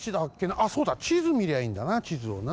あっそうだちずみりゃいいんだなちずをな。